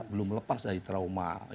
belum lepas dari trauma